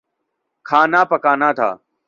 کھانا پکانا تھا